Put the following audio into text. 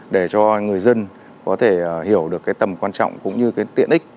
để cho người dân có thể hiểu được tầm quan trọng cũng như tiện ích